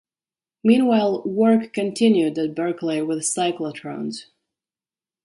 Meanwhile, work continued at Berkeley with cyclotrons.